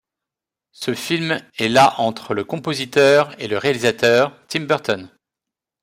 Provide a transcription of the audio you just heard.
Ce film est la entre le compositeur et le réalisateur Tim Burton.